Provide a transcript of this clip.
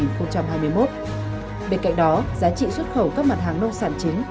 bên cạnh đó giá trị xuất khẩu các mặt hàng nông sản chính